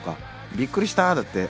「びっくりした」だって。